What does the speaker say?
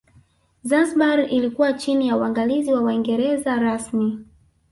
Zanzibar ilikuwa chini ya uangalizi wa Waingereza rasmi